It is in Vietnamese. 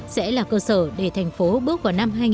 sẽ là cơ sở để thành phố bước vào năm hai nghìn hai mươi